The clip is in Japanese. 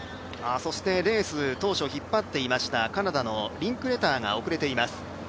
レース当初引っ張っていましたカナダのリンクレターが遅れています。